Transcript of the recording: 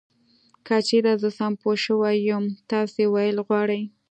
که چېرې زه سم پوه شوی یم تاسې ویل غواړی .